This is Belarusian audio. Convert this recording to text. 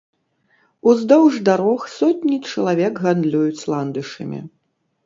Уздоўж дарог сотні чалавек гандлююць ландышамі.